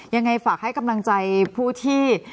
ยังไงฝากให้กำลังใจผู้ที่